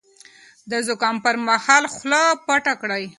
د زکام پر مهال خوله پټه کړئ.